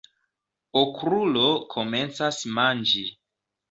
Okrulo komencas manĝi.